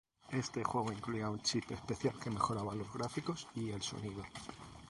Este juego incluía un chip especial que mejoraba los gráficos y el sonido.